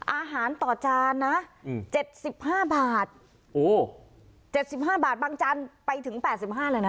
อาหารต่อจานนะ๗๕บาท๗๕บาทบางจานไปถึง๘๕บาทเลยนะ